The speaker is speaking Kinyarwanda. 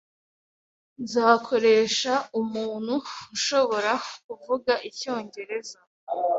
Nzakoresha umuntu ushobora kuvuga icyongereza